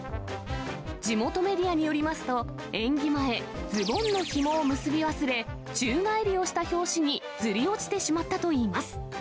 地元メディアによりますと、演技前、ズボンのひもを結び忘れ、宙返りをした拍子にずり落ちてしまったといいます。